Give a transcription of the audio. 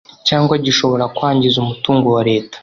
cyangwa gishobora kwangiza umutungo wa Leta